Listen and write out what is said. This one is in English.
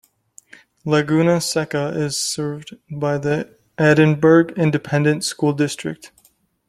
Laguna Seca is served by the Edinburg Independent School District.